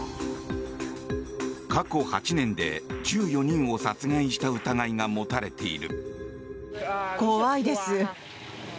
過去８年で１４人を殺害した疑いが持たれている。